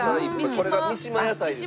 これが三島野菜ですか？